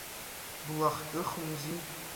Блахҿыхымзи.